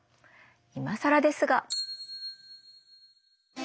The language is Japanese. いまさらですが。